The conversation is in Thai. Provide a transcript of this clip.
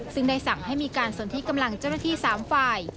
ซึ่งได้สั่งให้มีการสนที่กำลังเจ้าหน้าที่๓ฝ่าย